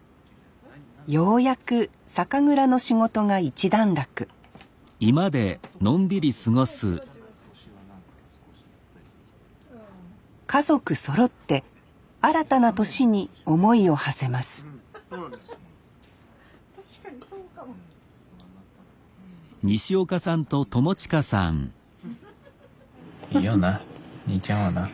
ようやく酒蔵の仕事が一段落家族そろって新たな年に思いをはせますいいよな兄ちゃんはな。